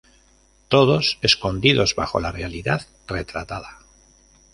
Todos escondidos bajo la realidad retratada.